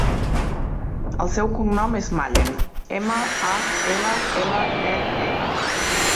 El seu cognom és Mallen: ema, a, ela, ela, e, ena.